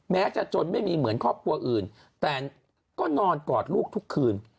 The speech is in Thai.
แม้จะจนไม่มีเหมือนครอบครัวอื่นแต่ก็นอนกอดลูกทุกคืน